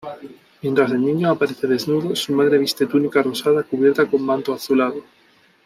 Mientras el Niño aparece desnudo, su Madre viste túnica rosada, cubierta con manto azulado.